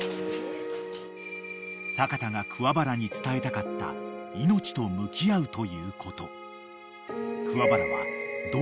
［阪田が桑原に伝えたかった命と向き合うということ］